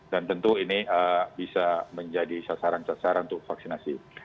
tentu ini bisa menjadi sasaran sasaran untuk vaksinasi